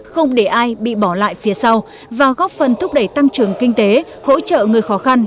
không để ai bị bỏ lại phía sau và góp phần thúc đẩy tăng trưởng kinh tế hỗ trợ người khó khăn